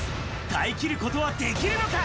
耐えきることはできるのか？